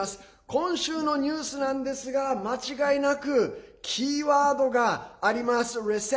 今週のニュースなんですが間違いなくキーワードがあります。